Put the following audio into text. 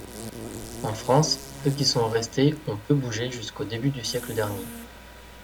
En France, ceux qui sont restés ont peu bougé jusqu'au début du siècle dernier.